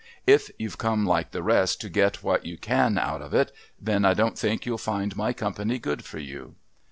If you've come like the rest to get what you can out of it, then I don't think you'll find my company good for you."